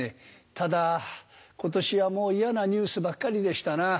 ただ今年はもう嫌なニュースばっかりでしたな。